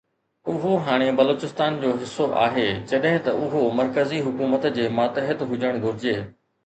اهو هاڻي بلوچستان جو حصو آهي جڏهن ته اهو مرڪزي حڪومت جي ماتحت هجڻ گهرجي.